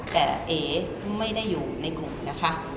แต่เอ๋ไม่ได้อยู่ในกลุ่มนะคะ